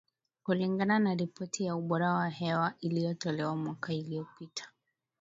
Kulingana na ripoti ya ubora wa hewa iliyotolewa mwaka uliopita.